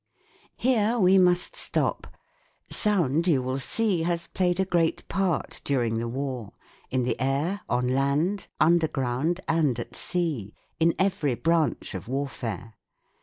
Here we must stop. Sound, you will see, has played a great part during the War in the air, on land, underground, and at sea, in every branch of warfare.